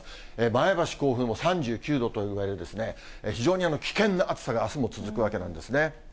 前橋、甲府も３９度という具合で非常に危険な暑さがあすも続くわけなんですね。